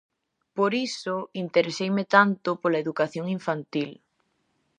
Por iso intereseime tanto pola educación infantil.